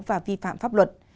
và vi phạm pháp luật